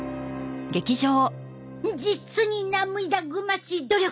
実に涙ぐましい努力！